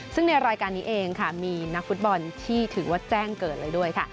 ซึ่งในรายการนี้เองค่ะมีนักฟุตบอลที่ถือว่าแจ้งเกิดเลยด้วยค่ะ